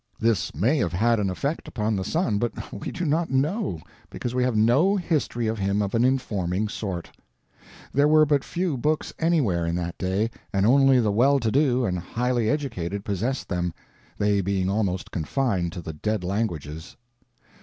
This may have had an effect upon the son, but we do not know, because we have no history of him of an informing sort. There were but few books anywhere, in that day, and only the well to do and highly educated possessed them, they being almost confined to the dead languages.